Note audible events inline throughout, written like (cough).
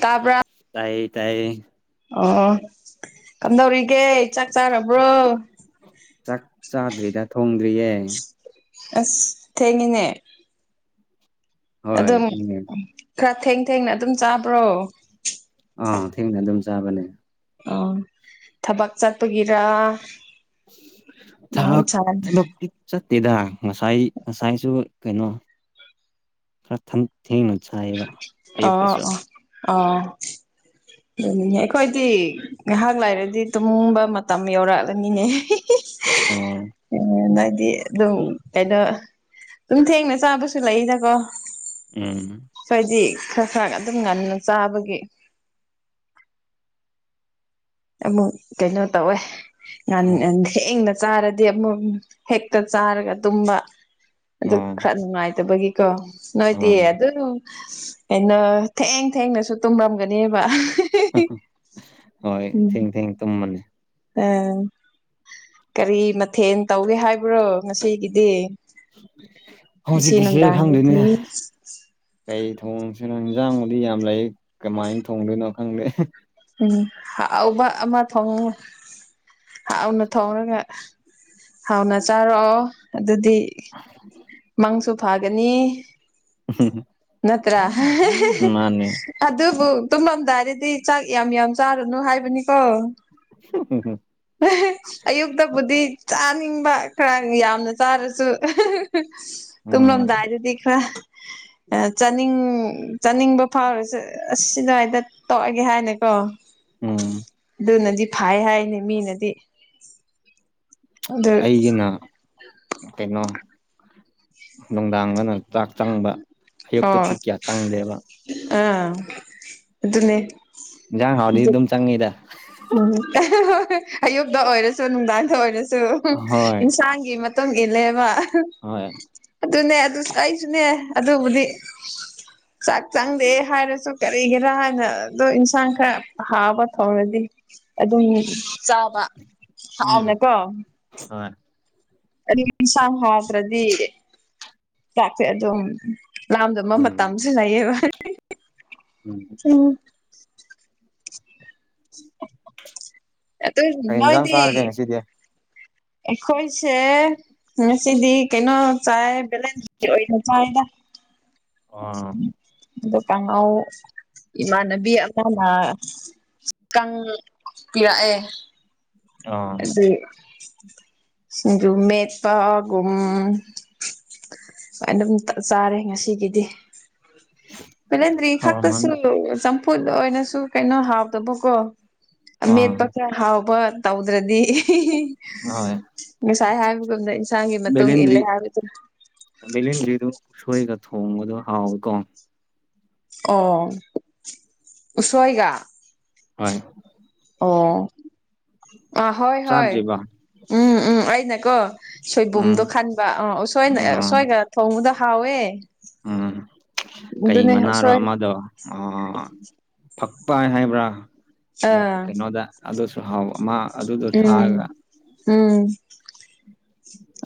ꯇꯥꯕꯔꯥ ꯇꯥꯏꯌꯦ ꯇꯥꯏꯌꯦ ꯑꯣ ꯀꯝꯗꯧꯔꯤꯒꯦ ꯆꯥꯛ ꯆꯥꯔꯕ꯭ꯔꯣ ꯆꯥꯛ ꯆꯥꯗ꯭ꯔꯤꯗ ꯊꯣꯡꯗ꯭ꯔꯤꯌꯦ ꯑꯁ ꯊꯦꯡꯉꯦꯅꯦ ꯍꯣꯏ ꯑꯗꯨꯝ ꯊꯦꯡꯉꯦ ꯈꯔ ꯊꯦꯡ ꯊꯦꯡꯅ ꯑꯗꯨꯝ ꯆꯥꯕ꯭ꯔꯣ ꯑꯥ ꯊꯦꯡꯅ ꯑꯗꯨꯝ ꯆꯥꯕꯅꯦ ꯑꯣ ꯊꯕꯛ ꯆꯠꯄꯒꯤꯔ ꯊꯕꯛ ꯃꯍꯧꯁꯥꯅ ꯊꯕꯛꯇꯤ ꯆꯠꯇꯦꯗ ꯉꯁꯥꯏ ꯉꯁꯥꯏꯁꯨ ꯀꯩꯅꯣ ꯈꯔ ꯊꯦꯡꯅ ꯆꯥꯏꯌꯦꯕꯥ ꯑꯌꯨꯛꯇꯁꯨ ꯑꯥ ꯑꯗꯨꯅꯦ ꯑꯩꯈꯣꯏꯗꯤ ꯉꯥꯏꯍꯥꯛ ꯂꯩꯥꯔꯗꯤ ꯇꯨꯝꯕ ꯃꯇꯝ ꯌꯧꯔꯛꯂꯅꯤꯅꯦ ꯑꯣ (unintelligible) ꯅꯪꯗꯤ ꯑꯗꯨꯝ ꯀꯩꯅꯣ ꯑꯗꯨꯝ ꯊꯦꯡꯅ ꯆꯥꯕꯁꯨ ꯂꯩꯌꯦꯗꯀꯣ ꯎꯝ ꯑꯩꯏꯣꯏꯗꯤ ꯈꯔ ꯈꯔ ꯑꯗꯨꯝ ꯉꯟꯅ ꯆꯥꯕꯒꯤ ꯑꯃꯨꯛ ꯀꯩꯅꯣ ꯇꯧꯋꯦ ꯉꯟ ꯉꯟ ꯊꯦꯡꯅ ꯆꯥꯔꯗꯤ ꯑꯃꯨꯛ ꯍꯦꯛꯇ ꯆꯥꯔꯒ ꯇꯨꯝꯕ ꯑꯗꯨ ꯑꯣ ꯈꯔ ꯅꯨꯡꯉꯥꯏꯇꯕꯒꯤ ꯀꯣ ꯅꯣꯏꯗꯤ ꯑꯣ ꯑꯗꯨꯝ ꯀꯩꯅꯣ ꯊꯦꯡ ꯊꯦꯡꯅꯁꯨ ꯇꯨꯝꯂꯝꯒꯅꯦꯕ ꯍꯣꯏ ꯊꯦꯡ ꯊꯦꯡ ꯇꯨꯝꯃꯅꯤ ꯎꯝ ꯀꯔꯤ ꯃꯊꯦꯜ ꯇꯧꯒꯦ ꯍꯥꯏꯕ꯭ꯔꯣ ꯉꯁꯤꯒꯤꯗꯤ꯫ ꯉꯁꯤ ꯍꯧꯖꯤꯛꯀꯤꯁꯦ ꯈꯪꯗꯦꯅꯦ ꯅꯨꯡꯗꯥꯡꯒꯤꯗꯤ꯫ ꯀꯩ ꯊꯣꯡꯁꯤꯅꯣ ꯌꯦꯟꯖꯥꯡꯕꯨꯗꯤ ꯌꯥꯝ ꯂꯩ ꯀꯃꯥꯏꯅ ꯊꯣꯡꯗꯣꯏꯅꯣ ꯈꯪꯗꯦ꯫ ꯎꯝ ꯍꯥꯎꯕ ꯑꯃ ꯊꯣꯡꯉꯨ ꯍꯥꯎꯅ ꯊꯣꯡꯉꯒ꯫ ꯍꯥꯎꯅ ꯆꯥꯔꯛꯑꯣ ꯑꯗꯨꯗꯤ꯫ ꯃꯪꯁꯨ ꯐꯒꯅꯤ꯫ (unintelligible) ꯅꯠꯇ꯭ꯔ (unintelligible) ꯃꯥꯅꯦ ꯑꯗꯨꯕꯨ ꯇꯨꯝꯂꯝ ꯗꯥꯏꯗꯗꯤ ꯆꯥꯛ ꯌꯥꯝ ꯌꯥꯝ ꯆꯥꯔꯨꯅꯨ ꯍꯥꯏꯕꯅꯤꯀꯣ꯫ (unintelligible) ꯑꯗꯨꯕꯨꯗꯤ ꯆꯥꯅꯤꯡꯕ ꯈꯔ ꯌꯥꯝꯅ ꯆꯥꯔꯁꯨ꯫ ꯎꯝ ꯇꯨꯝꯔꯝꯗꯥꯏꯗꯗꯤ ꯈ꯭ꯔ꯫ ꯆꯥꯅꯤꯡ ꯆꯥꯅꯤꯡꯕ ꯐꯥꯎꯔꯁꯨ ꯑꯁ ꯁꯤꯗꯥꯏꯗ꯫ ꯇꯣꯛꯑꯒꯦ ꯍꯥꯏꯅꯀꯣ꯫ ꯎꯝ꯫ ꯑꯗꯨꯅꯗꯤ ꯐꯩ ꯍꯥꯏꯅꯦ ꯃꯤꯅꯗꯤ꯫ ꯑꯗꯨ ꯑꯩꯒꯤꯅ ꯀꯩꯅꯣ ꯅꯨꯡꯗꯥꯡꯗꯅ꯫ ꯆꯥꯛ ꯆꯪꯕ ꯑꯣ ꯑꯌꯨꯛꯇꯗꯤ ꯀꯌꯥ ꯆꯪꯗꯦꯕ꯫ ꯑꯥ ꯑꯗꯨꯅꯦ꯫ ꯏꯪꯖꯥꯡ ꯍꯥꯎꯔꯗꯤ ꯑꯗꯨꯝ ꯆꯪꯏꯗ꯫ ꯎꯝ (unintelligible) ꯑꯌꯨꯛꯇ ꯑꯣꯏꯔꯁꯨ ꯅꯨꯡꯗꯥꯡꯗ ꯑꯣꯏꯔꯁꯨ ꯍꯣꯏ ꯏꯪꯁꯥꯡꯒꯤ ꯃ ꯇꯨꯡ ꯏꯜꯂꯦꯕ꯫ ꯍꯣꯏ꯫ ꯑꯗꯨꯅꯦ ꯑꯗꯨꯁꯨ ꯑꯩꯁꯨꯅꯦ ꯑꯗꯨꯕꯨꯗꯤ꯫ (inaudible) ꯆꯥꯛ ꯆꯪꯗꯦ ꯍꯥꯏꯔꯁꯨ ꯀꯔꯤꯒꯤꯔꯥ ꯍꯥꯏꯅꯗꯣ ꯏꯟꯁꯥꯡ ꯈꯔ ꯍꯥꯎꯕ ꯊꯣꯡꯔꯗꯤ꯫ ꯑꯗꯨꯝ ꯆꯥꯕ ꯎꯝ ꯍꯥꯎꯅꯀꯣ꯫ ꯍꯣꯏ꯫ (unintelligible) ꯏꯪꯁꯥꯡ ꯍꯥꯎꯇ꯭ꯔꯗꯤ ꯆꯥꯛꯁꯦ ꯑꯗꯨꯝ꯫ ꯂꯥꯝꯗꯕ ꯎꯝ ꯃꯇꯝꯁꯨ ꯂꯩꯌꯦꯕ꯫ ꯎꯝ꯫ ꯑꯗꯨ ꯀꯩ ꯏꯟꯖꯥꯡ ꯅꯣꯏꯗꯤ ꯆꯥꯔꯒꯦ ꯉꯁꯤꯗꯤ ꯑꯩꯈꯣꯏꯁꯦ ꯉꯁꯤꯗꯤ ꯀꯩꯅꯣ ꯆꯥꯏ ꯕꯦꯂꯦꯟꯗꯔꯤ ꯑꯣꯏꯅ ꯆꯥꯏꯑꯦꯗ꯫ ꯑꯥ ꯑꯗꯨ ꯀꯥꯡꯉꯧ꯫ ꯏꯃꯥꯟꯅꯕꯤ ꯑꯃꯅ ꯀꯪ ꯄꯤꯔꯛꯑꯦ꯫ ꯑꯥ ꯑꯗꯨꯨ ꯁꯤꯡꯖꯨ ꯃꯦꯠꯄꯥꯒꯨꯝ꯫ ꯑꯗꯨꯝ ꯆꯥꯔꯦ ꯉꯁꯤꯒꯤꯗꯤ꯫ ꯕꯦꯂꯦꯟꯗ꯭ꯔꯤ ꯈꯛꯇꯁꯨ ꯍꯥꯎꯔꯝꯃꯅꯤ ꯆꯝꯐꯨꯠ ꯑꯣꯏꯅꯁꯨ ꯀꯩꯅꯣ ꯍꯥꯎꯇꯕꯀꯣ꯫ ꯑꯥ ꯑꯃꯦꯠꯄ ꯈꯔ ꯍꯥꯎꯕ ꯇꯧꯗ꯭ꯔꯗꯤ꯫ ꯍꯣꯏ ꯉꯁꯥꯏ ꯍꯥꯏꯕꯒꯨꯝꯅ ꯏꯪꯁꯥꯡꯒꯤ ꯃꯇꯨꯡ ꯏꯜꯂꯦ ꯍꯥꯏꯕꯗꯨ꯫ ꯕꯤꯂꯦꯟꯗ꯭ꯔꯤꯗꯨ ꯎꯁꯣꯏꯒ ꯊꯣꯡꯕꯗꯣ ꯍꯥꯎꯋꯤꯀꯣ꯫ ꯑꯣ ꯎꯁꯣꯏꯒ꯫ ꯍꯣꯏ꯫ ꯑꯣ ꯍꯣꯢ ꯍꯣꯢ꯫ ꯆꯥꯗ꯭ꯔꯤꯕ ꯎꯝ ꯎꯝ ꯑꯩꯅꯀꯣ ꯎꯝ ꯁꯣꯏꯕꯨꯝꯗꯣ ꯈꯟꯕ ꯑꯣ ꯎꯁꯣꯏꯅ ꯑꯣ ꯎꯁꯣꯏꯒ꯫ ꯊꯣꯡꯕꯗꯣ ꯍꯥꯎꯋꯦ꯫ ꯎꯝ ꯀꯩ ꯑꯗꯨꯅꯦ ꯃꯅꯥꯔꯣ ꯎꯁꯣꯏ ꯑꯃꯗꯣ꯫ ꯑꯥ ꯐꯛꯄꯥꯢ ꯍꯥꯏꯕ꯭ꯔꯥ꯫ ꯃ ꯑꯥ ꯀꯩꯅꯣꯗ ꯑꯗꯨꯁꯨ ꯍꯥꯎ ꯃꯥ ꯑꯗꯨꯗꯨ ꯎꯝ ꯊꯥꯛꯑꯒ꯫ ꯎꯝ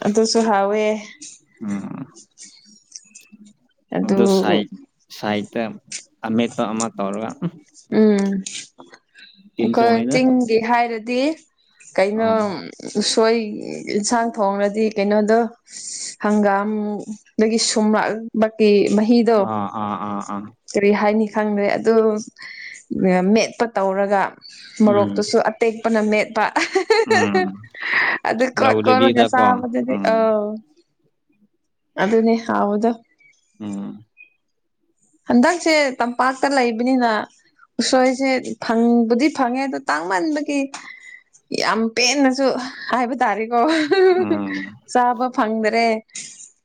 ꯑꯗꯨꯁꯨ ꯍꯥꯎꯋꯦ꯫ ꯎꯝ ꯑꯗꯨ ꯑꯗꯣ ꯁꯥꯏ ꯁꯥꯏꯠꯇ ꯑꯃꯦꯠꯄ ꯑꯃ ꯇꯧꯔꯒ ꯎꯝ ꯇꯤꯟ ꯑꯩꯈꯣꯏ ꯆꯣꯡꯉꯤꯗ ꯆꯤꯡꯒꯤ ꯍꯥꯏꯔꯗꯤ ꯀꯩꯅꯣ ꯑꯥ ꯎꯁꯣꯏ ꯌꯦꯟꯁꯥꯡ ꯊꯣꯡꯂꯗꯤ ꯀꯩꯅꯣꯗꯣ ꯍꯪꯒꯥꯝ ꯗꯒꯤ ꯁꯨꯝꯔꯛꯄꯒꯤ ꯃꯍꯤ ꯑ ꯑꯥ ꯑꯥ ꯑꯥ ꯀꯔꯤ ꯍꯥꯏꯅꯤ ꯈꯪꯗ꯭ꯔꯦ ꯑꯗꯨ ꯃꯦꯠꯄ ꯇꯧꯔꯒ ꯎꯝ ꯃꯣꯔꯣꯛꯇꯨꯁꯨ ꯑꯠ ꯇꯦꯛꯄꯅ ꯃꯦꯠꯄ ꯑꯍꯥ ꯍꯥ ꯍꯥ ꯍꯥ ꯎꯝ ꯍ ꯑꯗꯨ ꯀꯣꯠ ꯀꯣꯠꯂꯒ ꯂꯧꯗꯕꯤꯗꯀꯣ ꯆꯥꯕꯗꯨꯗꯤ ꯎꯝ ꯑꯧ ꯑꯗꯨꯅꯦ ꯍꯥꯎꯕꯗꯣ ꯎꯝ ꯍꯟꯗꯛꯁꯦ ꯇꯝꯄꯥꯛꯇ ꯂꯩꯕꯅꯤꯅ ꯎꯁꯣꯏꯁꯦ ꯐꯪꯕꯨꯗꯤ ꯐꯪꯉꯦ ꯑꯗꯣ ꯇꯥꯡꯃꯟꯕꯒꯤ ꯌꯥꯝ ꯄꯦꯟꯅꯁꯨ ꯍꯥꯏꯕ ꯇꯥꯔꯦꯀꯣ ꯑꯍ ꯥ ꯍ ꯥ ꯎꯝ ꯍ ꯆꯥꯕ ꯐꯪꯗꯔꯦ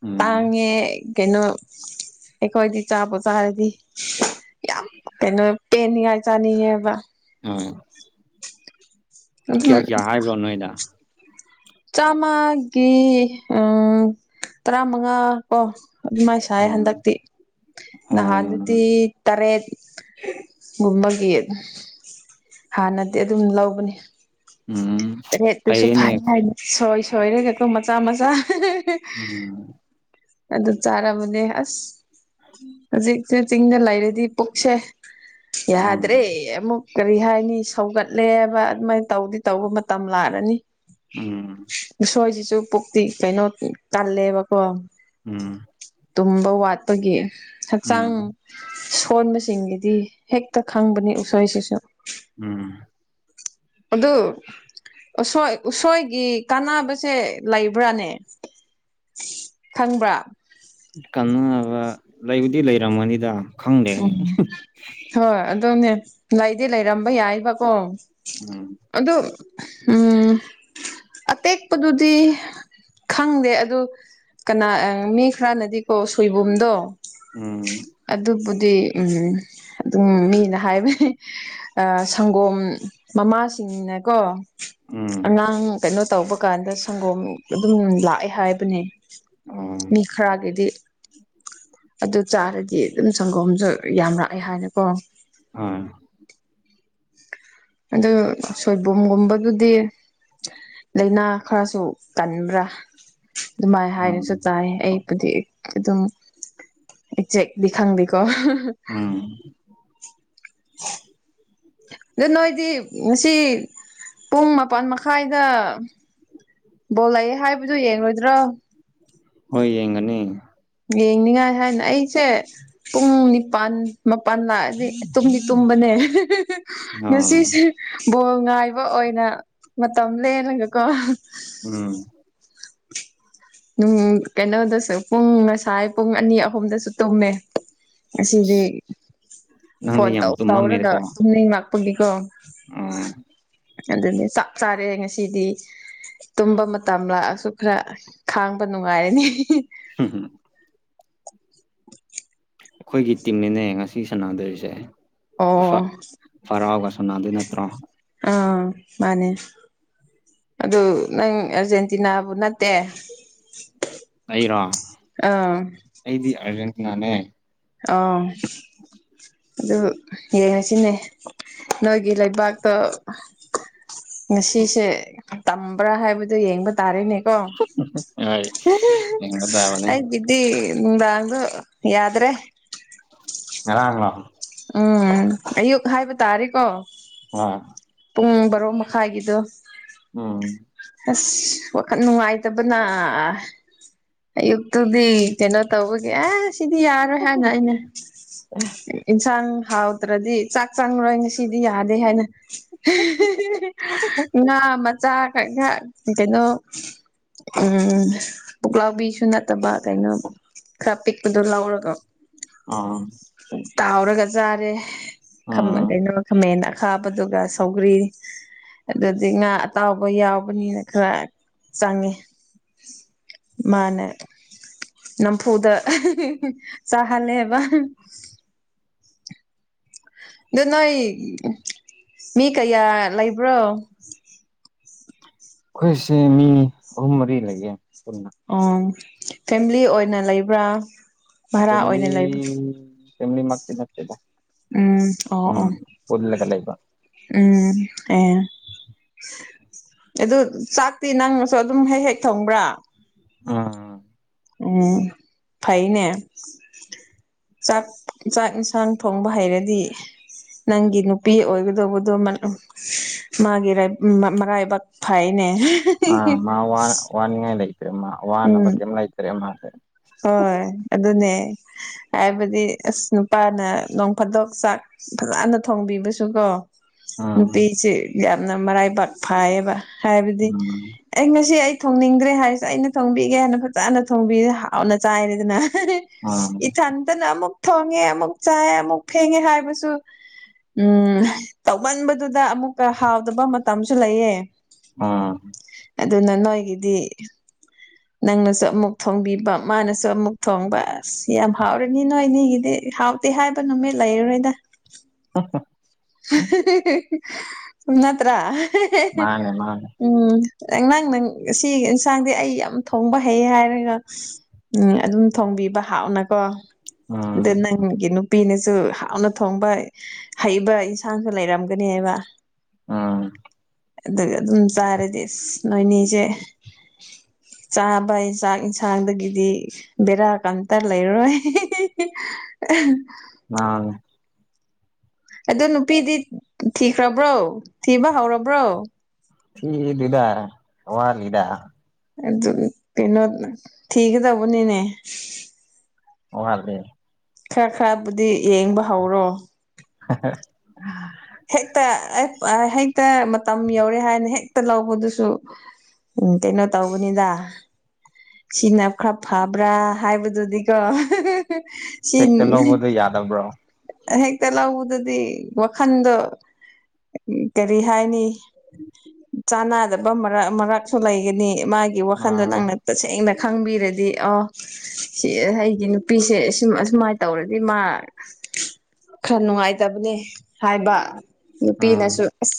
ꯎꯝ ꯇꯥꯡꯉꯦ ꯀꯩꯅꯣ ꯑꯩꯈꯣꯏꯗꯤ ꯆꯥꯕꯨ ꯆꯥꯔꯗꯤ ꯌꯥꯝ ꯀꯩꯅꯣ ꯄꯦꯟꯅꯤꯡꯉꯥꯏ ꯆꯥꯅꯤꯡꯉꯦꯕ ꯍꯣꯏ ꯑꯗꯨꯝ ꯀꯌꯥ ꯀꯌꯥ ꯍꯥꯏꯕ꯭ꯔꯣ ꯅꯣꯏꯗ ꯆꯥꯝꯃꯒꯤ ꯑ ꯇꯔꯥꯃꯉꯥ ꯀꯣ ꯑꯗꯨꯃꯥꯏ ꯁꯥꯏ ꯑꯣ ꯍꯟꯗꯛꯇꯤ ꯑꯣ ꯅꯍꯥꯟꯗꯨꯗꯤ ꯇꯔꯦꯠ ꯒꯨꯝꯕꯒꯤ ꯍꯥꯟꯅꯗꯤ ꯑꯗꯨꯝ ꯂꯧꯕꯅꯤ ꯎꯝ ꯇꯔꯦꯠꯇꯨꯁꯨ ꯐꯩꯌꯦꯅꯦ ꯐꯥꯅꯤꯡꯉꯥꯏꯒꯤ ꯁꯣꯏ ꯁꯣꯏꯔꯒꯀꯣ ꯃꯆꯥ ꯃꯆꯥ ꯍꯥ ꯍꯥ ꯍꯥ ꯍꯍ ꯎꯝ ꯑꯗꯨ ꯆꯥꯔꯕꯅꯦ ꯑꯁ ꯍꯧꯖꯤꯛꯁꯦ ꯆꯤꯡꯗ ꯂꯩꯔꯗꯤ ꯄꯨꯛꯁꯦ ꯎꯝ ꯌꯥꯗ꯭ꯔꯦ ꯑꯃꯨꯛ ꯀꯔꯤ ꯍꯥꯏꯅꯤ ꯁꯧꯒꯠꯂꯦꯕ ꯑꯗꯨꯃꯥꯏꯅ ꯇꯧꯗꯤ ꯇꯧꯕ ꯃꯇꯝ ꯂꯥꯛꯔꯅꯤ ꯎꯝ ꯎꯁꯣꯏꯁꯤꯁꯨ ꯄꯨꯛꯇꯤ ꯀꯩꯅꯣ ꯀꯜꯂꯦꯕꯀꯣ ꯎꯝ ꯇꯨꯝꯕ ꯋꯥꯠꯄꯒꯤ ꯍꯛꯆꯥꯡ ꯎꯝ ꯁꯣꯟꯕꯁꯤꯡꯒꯤꯗꯤ ꯍꯦꯛꯇ ꯈꯪꯕꯅꯤ ꯎꯁꯣꯏꯁꯤꯁꯨ ꯎꯝ ꯑꯗꯨ ꯎꯁꯣꯏ ꯎꯁꯣꯏꯒꯤ ꯀꯥꯟꯅꯕꯁꯦ ꯂꯩꯕ꯭ꯔꯥꯅꯦ ꯈꯪꯕ꯭ꯔꯥ ꯀꯥꯟꯅꯕ ꯂꯩꯕꯨꯗꯤ ꯂꯩꯔꯝꯒꯅꯤꯗ ꯈꯪꯗꯦ ꯎꯝ ꯍꯣꯏ ꯑꯗꯨꯅꯦ ꯂꯩꯗꯤ ꯂꯩꯔꯝꯕ ꯌꯥꯏꯕꯀꯣ ꯎꯝ ꯑꯗꯨ ꯎꯝ (inaudible) ꯑꯇꯦꯛꯄꯗꯨꯗꯤ ꯈꯪꯗꯦ ꯑꯗꯨ ꯀꯅꯥ ꯃꯤ ꯈꯔꯅꯗꯤꯀꯣ ꯁꯣꯏꯕꯨꯝꯗꯣ ꯎꯝ ꯑꯗꯨꯕꯨꯗꯤ ꯎꯝ ꯑꯗꯨꯝ ꯃꯤꯅ ꯍꯥꯏꯕꯅꯦ ꯑꯥ ꯁꯪꯒꯣꯝ ꯃꯃꯥꯁꯤꯡꯅꯀꯣ ꯎꯝ ꯑꯉꯥꯡ ꯀꯩꯅꯣ ꯇꯧꯕ ꯀꯥꯟꯗ ꯁꯪꯒꯣꯝ ꯑꯗꯨꯝ ꯂꯥꯛꯑꯦ ꯍꯥꯏꯕꯅꯦ ꯑꯣ ꯃꯤ ꯈꯔꯒꯤꯗꯤ ꯑꯗꯨ ꯆꯥꯔꯗꯤ ꯑꯗꯨꯝ ꯁꯪꯒꯣꯝꯁꯨ ꯌꯥꯝꯔꯛꯑꯦ ꯍꯥꯏꯅꯀꯣ ꯎꯝ ꯑꯗꯨ ꯁꯣꯏꯕꯨꯝꯒꯨꯝꯕꯗꯨꯗꯤ ꯂꯥꯏꯅꯥ ꯈꯔꯁꯨ ꯀꯟꯕ꯭ꯔꯥ ꯑꯗꯨꯃꯥꯏ ꯎꯝ ꯍꯥꯏꯅꯁꯨ ꯇꯥꯏ ꯑꯩ ꯄꯨꯗꯤ ꯑꯦꯛ ꯑꯗꯨꯝ ꯏꯛꯖꯦꯛꯗꯤ ꯈꯪꯗꯦꯀꯣ ꯍꯍ ꯎꯝ (unintelligible) ꯑꯗꯣ ꯅꯣꯏꯗꯤ ꯉꯁꯤ ꯄꯨꯡ ꯃꯥꯄꯟ ꯃꯈꯥꯏꯗ ꯕꯣꯜꯂꯩꯑꯦ ꯍꯥꯏꯕꯗꯨ ꯌꯦꯡꯔꯣꯏꯗ꯭ꯔꯣ ꯍꯣꯏ ꯌꯦꯡꯒꯅꯤ ꯌꯦꯡꯅꯤꯡꯉꯥꯏ ꯍꯥꯏꯅ ꯑꯩꯁꯦ ꯄꯨꯡ ꯅꯤꯄꯥꯟ ꯃꯄꯥꯟ ꯂꯥꯛꯑꯗꯤ ꯇꯨꯝꯗꯤ ꯇꯨꯝꯕꯅꯦ ꯑꯥ ꯉꯁꯤꯁꯦ ꯕꯣꯜ ꯉꯥꯏꯕ ꯑꯣꯏꯅ ꯃꯇꯝ ꯂꯂꯒꯀꯣ ꯎꯝ ꯀꯩꯅꯣꯗꯁꯨ ꯄꯨꯡ ꯉꯁꯥꯏ ꯄꯨꯡ ꯑꯅꯤ ꯑꯍꯨꯝꯗꯁꯨ ꯇꯨꯝꯃꯦ ꯑꯁꯤꯗꯤ ꯐꯣꯟ ꯅꯪꯗꯤ ꯌꯥꯝ ꯇꯧ ꯇꯧꯔꯒ ꯇꯨꯝꯃꯝꯃꯦꯗꯀꯣ ꯇꯨꯝꯅꯤꯡ ꯂꯥꯛꯄꯒꯤꯀꯣ ꯎꯝ ꯑꯗꯨꯅꯦ ꯆꯞ ꯆꯥꯔꯦ ꯉꯁꯤꯗꯤ ꯇꯨꯝꯕ ꯃꯇꯝ ꯂꯥꯛꯑꯁꯨ ꯈꯔ ꯈꯥꯡꯕ ꯅꯨꯡꯉꯥꯏꯔꯅꯤ ꯍꯝ ꯍꯨꯝ (unintelligible) ꯑꯩꯈꯣꯏꯒꯤ ꯇꯤꯝꯅꯤꯅꯦ ꯉꯁꯤ ꯁꯥꯟꯅꯗꯣꯔꯤꯁꯦ ꯐ ꯑꯣ ꯐꯔꯥꯎꯒ ꯁꯣꯅꯥꯗꯤ ꯅꯠꯇ꯭ꯔꯣ ꯑꯥ ꯃꯥꯅꯦ ꯑꯗꯨ ꯅꯪ ꯑꯔꯖꯦꯟꯇꯤꯅꯥꯕꯨ ꯅꯠꯇꯦ ꯑꯩꯔꯣ ꯑꯥ ꯑꯩꯗꯤ ꯑꯥꯔꯖꯦꯟꯇꯤꯅꯥꯅꯦ ꯑꯥ ꯑꯗꯨ ꯌꯦꯡꯉꯁꯤꯅꯦ ꯅꯣꯏꯒꯤ ꯂꯩꯕꯥꯛꯇꯣ ꯉꯁꯤꯁꯦ ꯇꯝꯕ꯭ꯔꯥ ꯍꯥꯏꯕꯗꯣ ꯌꯦꯡꯕ ꯇꯥꯔꯦꯅꯦ ꯀꯣ ꯍꯣꯏ ꯌꯦꯡꯒꯗꯕꯅꯦ ꯑꯩ ꯗꯤ ꯌꯥꯗ꯭ꯔꯦ ꯉꯔꯒꯥ ꯎꯝ ꯑꯌꯨꯛ ꯍꯥꯏꯕ ꯇꯥꯔꯦꯀꯣ ꯑ ꯄꯨꯡ ꯕꯥꯔꯣ ꯃꯈꯥꯏꯒꯤꯗꯣ ꯎꯝ ꯑꯁ ꯋꯥꯈꯜ ꯅꯨꯡꯉꯥꯏꯇꯕꯅ ꯌꯛꯇ ꯇꯨꯗꯤ ꯀꯩꯅꯣ ꯇꯧꯕꯒꯦ ꯁꯤꯗꯤ ꯌꯥꯔꯣꯏ ꯍꯥꯏꯥꯟꯅ ꯑꯩꯅ ꯏꯟꯁꯥꯡ ꯍꯥꯎ ꯅꯠꯇ꯭ꯔꯗꯤ ꯆꯥꯛ ꯆꯥꯡꯉꯔꯣꯏ ꯉꯁꯤꯗꯤ ꯌꯥꯗꯦ ꯍꯥꯏꯅ ꯉꯥ ꯆ ꯈꯛ ꯈ ꯀꯩꯅꯣ ꯎꯝ ꯄꯨꯛꯂꯥꯎꯕꯤꯁꯨ ꯅꯠꯇꯕ ꯀꯩꯅꯣ ꯀ ꯄꯛꯄꯗꯨꯔ ꯂ ꯎꯔꯒ ꯑꯥ ꯇꯥꯎꯔꯒ ꯆꯥꯔꯦ ꯎꯝ ꯀꯩꯅꯣ ꯈꯥꯃꯦꯟ ꯑꯈꯥꯕꯗꯨꯒ ꯁꯧꯒꯔꯤ ꯑꯗꯨꯗꯤ ꯉꯥ ꯑꯇꯥꯎꯕ ꯌꯥꯎꯕꯅꯤꯅ ꯈꯔ ꯆꯪꯉꯤ ꯃꯥꯅꯦ ꯅꯝꯐꯨꯗ ꯆꯥꯍꯜꯂꯦꯕ ꯑꯗꯨ ꯅꯣꯏ ꯃꯤ ꯀꯌꯥ ꯂꯩꯕ꯭ꯔꯣ ꯑꯩꯈꯣꯏꯁꯦ ꯃꯤ ꯑꯍꯨꯝ ꯃꯔꯤ ꯂꯩꯒꯦ ꯄꯨꯟꯅ ꯑꯣ ꯐꯦꯃꯤꯂꯤ ꯑꯣꯏꯅ ꯂꯩꯕ꯭ꯔꯥ ꯚꯔꯥ ꯑꯣꯏꯅ ꯂꯩꯕ꯭ꯔꯥ ꯅꯤ ꯃꯥꯈꯤ ꯅꯠꯇꯦꯗ ꯎꯝ ꯑꯣ ꯎꯝ ꯑꯣ ꯄꯨꯜꯂꯒ ꯂꯩꯕ ꯎꯝ ꯑꯦꯦ ꯑꯗꯨ ꯆꯥꯛꯇꯤ ꯅꯪꯅꯁꯨ ꯑꯗꯨꯝ ꯍꯦꯛ ꯍꯦꯛ ꯊꯣꯡꯕ꯭ꯔꯥ ꯑꯝ ꯎꯝ ꯐꯥꯏꯅꯦ ꯆꯥꯛ ꯆꯥꯛ ꯌꯦꯟꯁꯥꯡ ꯊꯣꯡꯕ ꯍꯩꯔꯗꯤ ꯅꯪꯒꯤ ꯅꯨꯄꯤ ꯑꯣꯏꯒꯗꯧꯕꯗꯣ ꯃꯥꯒꯤ ꯃꯔꯥꯏꯕꯥꯛ ꯐꯥꯏꯅꯦ ꯑ ꯃꯥ ꯋꯥ ꯋꯥꯅꯤꯡꯉꯥꯏ ꯂꯩꯇꯦ ꯃꯥ ꯎꯝ ꯋꯥꯍꯅꯕꯛꯦꯝ ꯂꯩꯇ꯭ꯔꯦ ꯃꯥꯁꯦ ꯍꯣꯏ ꯑꯗꯨꯅꯦ ꯍꯥꯏꯕꯗꯤ ꯑꯁ ꯅꯨꯄꯥꯅ ꯅꯣꯡ ꯐꯥꯗꯣꯛ ꯆꯥꯛ ꯐꯖꯅ ꯊꯣꯡꯕꯤꯕꯁꯨ ꯀꯣ ꯎꯝ ꯅꯨꯄꯤꯁꯦ ꯌꯥꯝꯅ ꯃꯔꯥꯏꯕꯥꯛ ꯐꯥꯏꯌꯦꯕ ꯍꯥꯏꯕꯗꯤ ꯎꯝ ꯑꯩ ꯉꯁꯤ ꯑꯩ ꯊꯣꯡꯅꯤꯡꯗ꯭ꯔꯦ ꯍꯥꯏꯔꯤꯁꯦ ꯑꯩꯅ ꯊꯣꯡꯕꯤꯒꯦ ꯍꯥꯏꯅ ꯐꯖꯅ ꯊꯣꯡꯕꯤꯁꯦ ꯍꯥꯎꯅ ꯆꯥꯏꯔꯦꯗꯅ ꯎꯝ ꯏꯊꯟꯇꯅ ꯑꯃꯨꯛ ꯊꯣꯡꯉꯦ ꯑꯃꯨꯛ ꯆꯥꯏꯑ ꯑꯃꯨꯛ ꯐꯦꯡꯉꯦ ꯍꯥꯏꯕꯁꯨ ꯎꯝ ꯇꯧꯃꯟꯕꯗꯨꯗ ꯑꯃꯨꯛꯀ ꯍꯥꯎꯗꯕ ꯃꯇꯝꯁꯨ ꯂꯩꯌꯦ ꯑꯥ ꯑꯗꯨꯅ ꯅꯣꯏꯒꯤꯗꯤ ꯅꯪꯅꯁꯨ ꯑꯃꯨꯛ ꯊꯣꯡꯕꯤꯕ ꯃꯥꯅꯁꯨ ꯑꯃꯨꯛ ꯊꯣꯡꯕ ꯁꯤ ꯌꯥꯝ ꯍꯥꯎꯔꯅꯤ ꯅꯣꯏꯅꯤꯒꯤꯗꯤ ꯍꯥꯎ ꯦ ꯍꯥꯏꯕ ꯅꯨꯃꯤꯠ ꯂꯩꯔꯔꯣꯏꯗ ꯑ ꯍ ꯅꯠꯇ꯭ꯔ ꯃꯥꯅꯦ ꯃꯥꯅꯦ ꯎꯝ ꯅꯪ ꯅꯪ ꯁꯤ ꯏꯟꯁꯥꯡꯗꯤ ꯑꯩ ꯌꯥꯝ ꯊꯣꯡꯕ ꯍꯩ ꯍꯥꯏꯔꯒ ꯎꯝ ꯑꯗꯨꯝ ꯊꯣꯡꯕꯤꯕ ꯍꯥꯥꯎꯅꯀꯣ ꯑꯗ ꯎꯝ ꯅꯪꯒꯤ ꯅꯨꯄꯤꯅꯁꯨ ꯍꯥꯎꯅ ꯊꯣꯡꯕ ꯍꯩꯕ ꯏꯁꯟꯥꯡꯁꯨ ꯂꯩꯔꯝꯒꯅꯤ ꯍꯥꯏꯕ ꯎꯝ ꯑꯗꯨꯒ ꯑꯗꯨꯝ ꯆꯥꯔꯗꯤ ꯑ ꯅꯣꯏꯅꯦꯁꯦ ꯆꯥꯕ ꯌꯦꯟꯖꯥꯛ ꯏꯟꯁꯥꯡꯗꯒꯤꯗꯤ ꯕꯤꯔꯥ ꯀꯥꯟꯇ ꯂꯩꯔꯣꯏ ꯑꯅꯦ ꯑꯗꯨ ꯅꯨꯄꯤꯗꯤ ꯊꯤꯈ꯭ꯔꯕ꯭ꯔꯣ ꯊꯤꯕ ꯍꯧꯔꯕ꯭ꯔꯣ ꯊ ꯂꯤꯗꯥ ꯋꯥ ꯂꯤꯗꯥ ꯅꯣ ꯊꯤꯒ ꯇꯕꯨꯅꯤꯅꯦ ꯑꯣꯍꯦ ꯈꯔ ꯈꯔꯕꯨꯗꯤ ꯌꯦꯡꯕ ꯍꯧꯔꯣ ꯍ ꯍ ꯍꯦꯛꯇ ꯑꯦ ꯍꯦꯛꯇ ꯃꯇꯝ ꯌꯧꯔꯦ ꯍꯥꯏꯅ ꯍꯦꯛꯇ ꯂꯧꯕꯗꯨꯁꯨ ꯎꯝ ꯀꯩꯅꯣ ꯇꯧꯕꯅꯤꯗ ꯁꯤꯅ ꯈꯔ ꯐꯕ꯭ꯔꯥ ꯍꯥꯏꯕꯗꯨꯗꯤꯀꯣ ꯁꯤ ꯍꯦꯛꯇ ꯂꯧꯕꯗꯣ ꯌꯥꯗꯕ꯭ꯔꯣ ꯍꯦꯛꯇ ꯂꯧꯕꯗꯗꯤ ꯋꯥꯈꯟꯗꯣ ꯎ ꯀꯔꯤ ꯍꯥꯏꯅꯤ ꯆꯥꯅꯗꯕ ꯃꯔꯛ ꯃꯔꯛꯁꯨ ꯂꯩꯒꯅꯤ ꯃꯥꯒꯤ ꯋꯥꯈꯟꯗꯣ ꯎꯝ ꯅꯪꯅ ꯇꯁꯦꯡꯅ ꯈꯪꯕꯤꯔꯗꯤ ꯑ ꯁꯤ ꯑꯩꯒꯤ ꯅꯨꯄꯤꯁꯦ ꯑꯁꯨꯝ ꯑꯁꯨꯃꯥꯏꯅ ꯇꯧꯔꯗꯤ ꯃꯥ ꯈꯔ ꯅꯨꯡꯉꯥꯏꯇꯕꯅꯦ ꯍꯥꯏꯕ ꯎꯝ ꯅꯨꯄꯤꯅꯁꯨ ꯑꯁ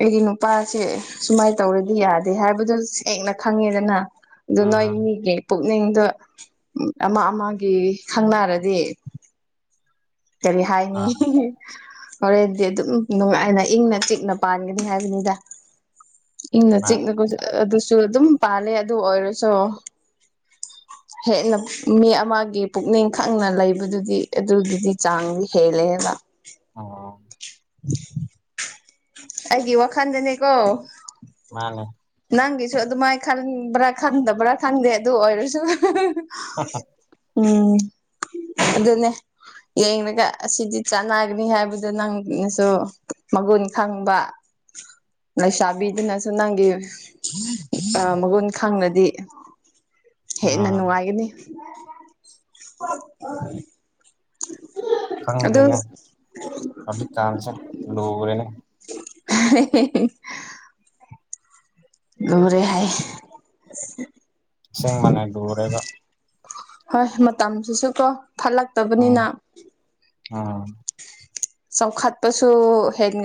ꯑꯩꯗꯤ ꯅꯨꯄꯥꯁꯦ ꯁꯨꯃꯥꯏꯅ ꯇꯧꯔꯗꯤ ꯌꯥꯗꯦ ꯍꯥꯏꯕꯗꯨꯣ ꯁꯦꯡꯅ ꯈꯪꯉꯦꯗꯅ ꯑꯗꯨ ꯅꯣꯏ ꯎꯝ ꯃꯤꯒꯤ ꯄꯨꯛꯅꯤꯡꯗ ꯑꯃ ꯑꯃꯒꯤ ꯈꯪꯅꯔꯗꯤ ꯀꯔꯤ ꯍꯥꯏꯅꯤ ꯎꯝ ꯍꯣꯔꯦꯟꯗꯤ ꯑꯗꯨꯝ ꯅꯨꯡꯉꯥꯏꯅ ꯏꯪꯅ ꯆꯤꯛꯅ ꯄꯥꯟꯒꯅꯤ ꯍꯥꯏꯕꯅꯤꯗ ꯏꯪꯅ ꯃꯥꯅꯦ ꯆꯤꯛꯅꯒ ꯑꯗꯨꯁꯨ ꯑꯗꯨꯝ ꯄꯥꯜꯂꯦ ꯑꯗꯨ ꯑꯣꯏꯔꯁꯨ ꯍꯦꯟꯅ ꯃꯤ ꯑꯃꯒꯤ ꯄꯨꯛꯅꯤꯡ ꯈꯪꯅ ꯂꯩꯕꯗꯨꯗꯤ ꯑꯗꯨꯗꯨꯗꯤ ꯆꯥꯡꯂꯤ ꯍꯦꯂꯦꯕ ꯑꯣ ꯑꯩꯒꯤ ꯋꯥꯈꯜꯗꯅꯦꯀꯣ ꯃꯥꯅꯦ ꯅꯪꯒꯤꯁꯨ ꯑꯗꯨꯃꯥꯏꯅ ꯈꯟꯕ꯭ꯔꯥ ꯈꯟꯗꯕ꯭ꯔꯥ ꯈꯪꯗꯦ ꯑꯗꯨ ꯑꯣꯏꯔꯁꯨ ꯑ ꯎꯝ ꯑꯗꯨꯅꯦ ꯌꯦꯡꯒ ꯑꯁꯤꯗꯤ ꯆꯥꯟꯅꯒꯅꯤ ꯍꯥꯏꯕꯗꯨ ꯅꯪꯅꯁꯨ ꯃꯒꯨꯟ ꯈꯪꯕ (inaudible) ꯂꯩꯁꯥꯕꯤꯗꯨꯅꯁꯨ ꯅꯪꯒꯤ ꯃꯒꯨꯟ ꯈꯪꯅꯗꯤ (inaudible) ꯍꯦꯟꯅ ꯅꯨꯡꯉꯥꯏꯒꯅꯤ (unintelligible) ꯑꯗꯣ ꯈꯪꯗꯦꯅꯦ ꯍꯧꯖꯤꯛꯀꯥꯟꯁꯦ ꯂꯨꯔꯦꯅꯦ ꯑ ꯍꯦ ꯍꯦ ꯂꯔꯦ ꯍꯥꯏꯌꯦ ꯏꯁꯤꯡ ꯃꯅꯥ ꯂꯔꯒ ꯍꯣꯏ ꯃꯇꯝꯁꯤꯁꯨ ꯀꯣ ꯎꯝ ꯐꯠꯂꯛꯇꯕꯅꯤꯅ ꯎꯝ ꯆꯥꯎꯈꯠꯄꯁꯨ ꯍꯦꯟꯒ